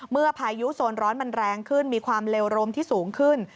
พายุโซนร้อนมันแรงขึ้นมีความเร็วรมที่สูงขึ้น